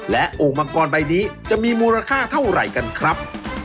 และโอ่งมังกรใบนี้จะมีมูลค่าเท่าไหร่กันครับ